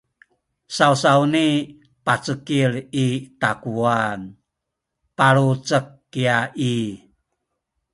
sawsawni pacekil i takuwan palucek kya i